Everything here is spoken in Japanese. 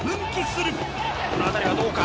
この当たりはどうか？